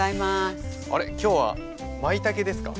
あれ今日はまいたけですか？